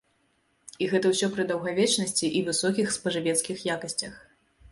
І гэта ўсё пры даўгавечнасці і высокіх спажывецкіх якасцях.